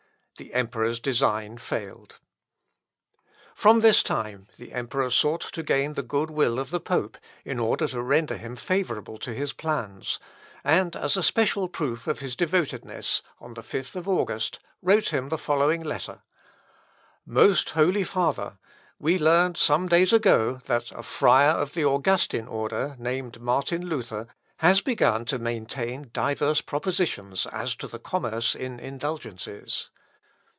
The Emperor's design failed. From this time the Emperor sought to gain the good will of the pope, in order to render him favourable to his plans; and as a special proof of his devotedness, on the 5th August, wrote him the following letter: "Most Holy Father, we learned some days ago that a friar of the Augustin order, named Martin Luther, has begun to maintain divers propositions as to the commerce in indulgences.